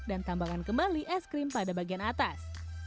dan tambahkan kembali es krim pada bagian atas